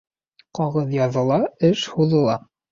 Ҡағыҙ яҙыла, эш һуҙыла.